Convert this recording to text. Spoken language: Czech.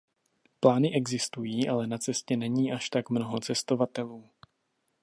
Plány existují, ale na cestě není až tak mnoho cestovatelů.